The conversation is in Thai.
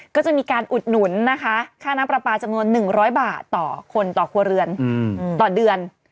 ก็จะมีการอุดหนุนนะคะค่าน้ำปลาปลาจำนวน๑๐๐บาทต่อคนต่อครัวเรือนต่อเดือน